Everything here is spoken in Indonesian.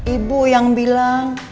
ibu yang bilang